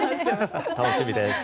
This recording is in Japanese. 楽しみです。